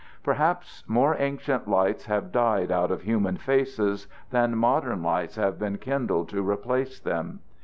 "Perhaps more ancient lights have died out of human faces than modern lights have been kindled to replace them.